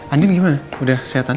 andien gimana udah kesehatan